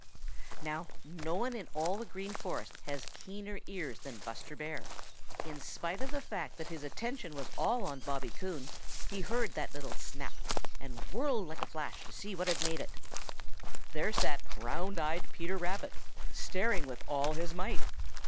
Now, no one in all the Green Forest has keener ears than Buster Bear. In spite of the fact that his attention was all on Bobby Coon, he heard that little snap and whirled like a flash to see what had made it. There sat round eyed Peter Rabbit, staring with all his might.